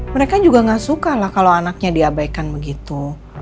mereka juga gak suka lah kalau anaknya diabaikan begitu